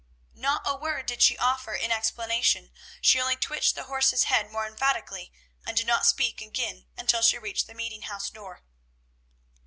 '" Not a word did she offer in explanation; she only twitched the horse's head more emphatically, and did not speak again until she reached the meeting house door.